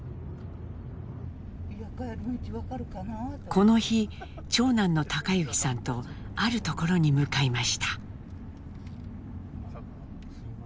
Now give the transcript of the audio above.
この日長男の貴之さんとあるところに向かいました。